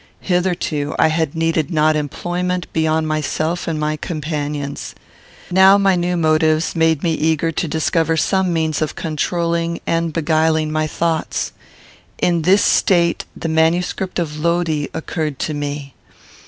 Hitherto I had needed not employment beyond myself and my companions. Now my new motives made me eager to discover some means of controlling and beguiling my thoughts. In this state, the manuscript of Lodi occurred to me.